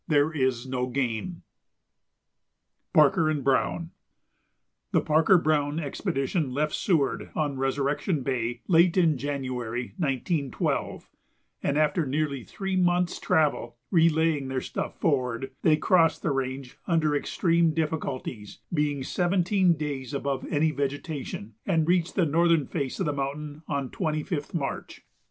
There is no game. [Sidenote: Parker and Browne] The Parker Browne expedition left Seward, on Resurrection Bay, late in January, 1912, and after nearly three months' travel, relaying their stuff forward, they crossed the range under extreme difficulties, being seventeen days above any vegetation, and reached the northern face of the mountain on 25th March.